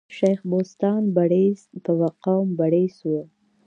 شېخ بستان برېڅ په قوم بړېڅ ؤ.